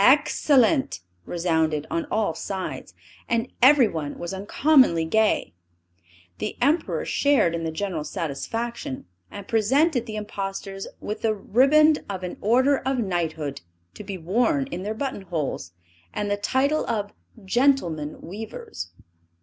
Excellent!" resounded on all sides; and everyone was uncommonly gay. The Emperor shared in the general satisfaction; and presented the impostors with the riband of an order of knighthood, to be worn in their button holes, and the title of "Gentlemen Weavers."